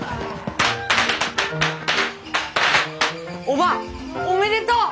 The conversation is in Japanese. おばぁおめでとう！